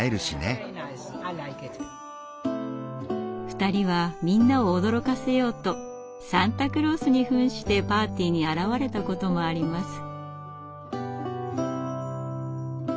二人はみんなを驚かせようとサンタクロースに扮してパーティーに現れたこともあります。